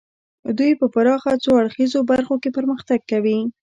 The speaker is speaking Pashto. دوی په پراخه څو اړخیزو برخو کې پرمختګ کوي